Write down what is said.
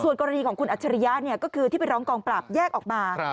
กรณีของคุณอัจฉริยะก็คือที่ไปร้องกองปราบแยกออกมา